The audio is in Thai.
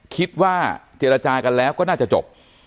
คิดว่าเจรจากันแล้วก็น่าจะจบ